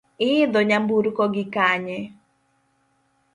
Iidho nyamburko gi kanye?